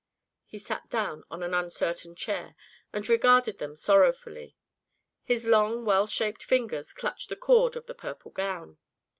He sat down on an uncertain chair and regarded them sorrowfully. His long well shaped fingers clutched the cord of the purple gown.